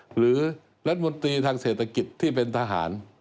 หรือรัฐมนตรีทางเศรษฐกิจที่เป็นทหาร